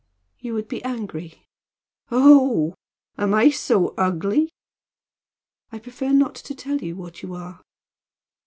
"You would be angry." "Oho! Am I so ugly?" "I prefer not to tell you what you are."